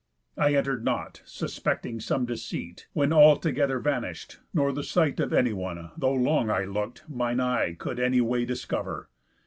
I enter'd not, suspecting some deceit. When all together vanish'd, nor the sight Of anyone (though long I look'd) mine eye Could any way discover.